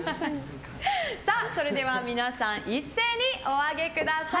それでは皆さん一斉にお上げください。